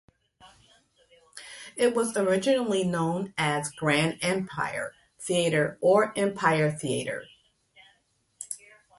It was originally known as the Grand Empire Theatre or Empire Theatre.